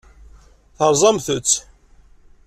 Terẓamt-tt.